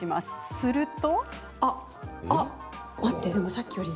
すると。